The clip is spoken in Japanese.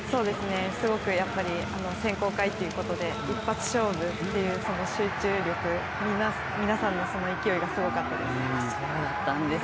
すごく、選考会ということで、一発勝負という集中力、皆さんの勢いがすごかったです。